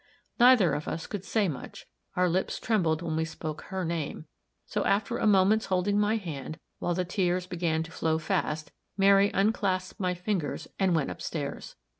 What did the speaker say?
Neither of us could say much; our lips trembled when we spoke her name; so, after a moment's holding my hand, while the tears began to flow fast, Mary unclasped my fingers, and went up stairs.